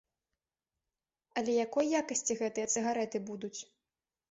Але якой якасці гэтыя цыгарэты будуць?